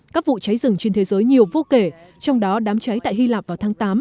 các vụ cháy rừng trên thế giới nhiều vô kể trong đó đám cháy tại hy lạp vào tháng tám